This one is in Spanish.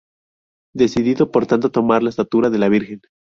Decidió por tanto tomar la estatua de la Virgen.